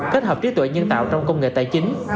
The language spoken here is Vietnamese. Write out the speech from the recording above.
kết hợp trí tuệ nhân tạo trong công nghệ tài chính